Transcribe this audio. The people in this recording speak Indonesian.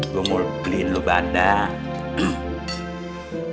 gue mau beliin lu badang